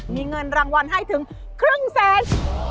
มีเงินรางวัลให้ถึงครึ่งแสน